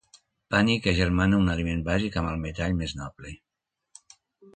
Pànic que agermana un aliment bàsic amb el metall més noble.